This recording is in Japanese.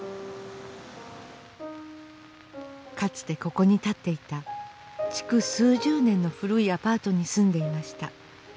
かつてここに建っていた築数十年の古いアパートに住んでいました。